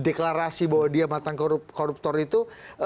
deklarasi bahwa dia mantan koruptor itu